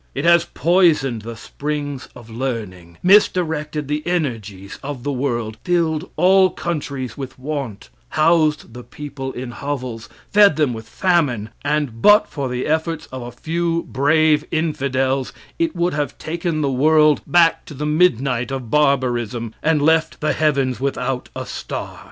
It has poisoned the springs of learning; misdirected the energies of the world; filled all countries with want; housed the people in hovels; fed them with famine; and but for the efforts of a few brave infidels, it would have taken the world back to the midnight of barbarism, and left the heavens without a star.